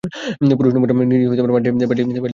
পুরুষ নমুনা ভিজে মাটিতে মাড-পাডলিংএ অভ্যস্ত।